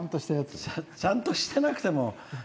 ちゃんとしてなくても。